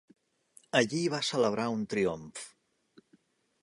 Allí va celebrar un triomf.